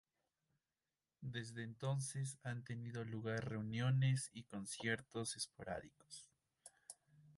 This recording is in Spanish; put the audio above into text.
Desde entonces han tenido lugar reuniones y conciertos esporádicos.